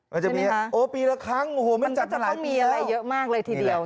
มันจะมีปีละครั้งมันจัดมาหลายปีแล้วมันก็จะต้องมีอะไรเยอะมากเลยทีเดียว